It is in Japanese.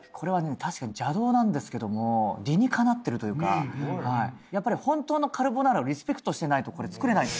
確かに邪道なんですけども理にかなってるというかやっぱり本当のカルボナーラをリスペクトしてないとこれ作れないです